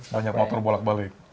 banyak motor bolak balik